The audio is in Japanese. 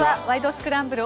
スクランブル」